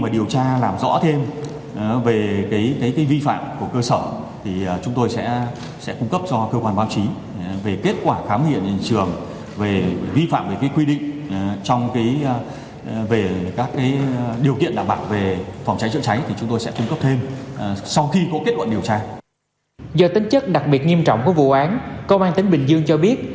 do tính chất đặc biệt nghiêm trọng của vụ án công an tấn bình dương cho biết